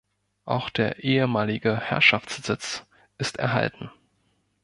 Auch der ehemalige Herrschaftssitz ist erhalten.